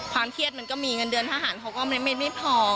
เครียดมันก็มีเงินเดือนทหารเขาก็ไม่พอ